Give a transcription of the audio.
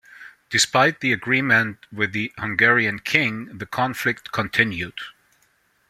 Despite the agreement with the Hungarian King, the conflict continued.